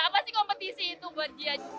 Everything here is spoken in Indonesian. apa sih kompetisi itu buat dia